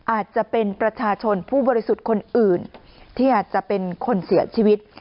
อาจจะเป็นประชาชนผู้บริสุทธิ์คนอื่นที่อาจจะเป็นคนเสียชีวิต